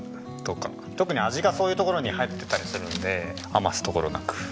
特に味がそういうところに入ってたりするので余すところなく。